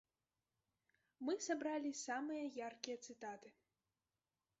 Мы сабралі самыя яркія цытаты.